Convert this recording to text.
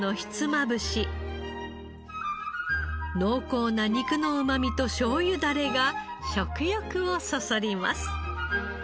濃厚な肉のうま味としょうゆダレが食欲をそそります。